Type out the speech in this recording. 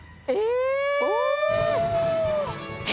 え！？